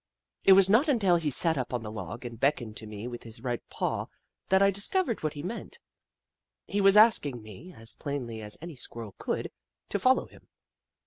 It was not until he sat up on the log and beckoned to me with his right paw that I discovered what he meant. He was asking me, as plainly as any Squirrel could, to follow him.